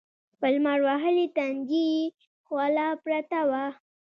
په لمر وهلي تندي يې خوله پرته وه.